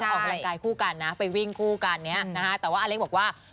ออกกำลังกายคู่กันนะไปวิ่งคู่กันเนี่ยนะฮะแต่ว่าอเล็กบอกว่า